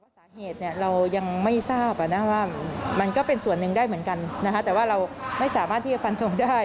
สาเหตุเรายังไม่ทราบว่ามันก็เป็นส่วนหนึ่งได้เหมือนกันนะคะแต่ว่าเราไม่สามารถที่จะฟันทงได้